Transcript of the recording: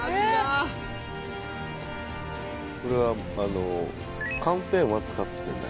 これはあの寒天は使ってない？